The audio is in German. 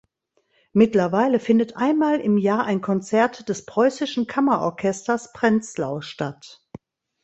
Mittlerweile findet einmal im Jahr ein Konzert des Preußischen Kammerorchesters Prenzlau statt.